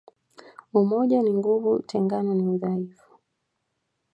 Umoja ni nguvu utengano ni udhaifu